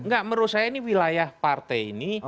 enggak menurut saya ini wilayah partai ini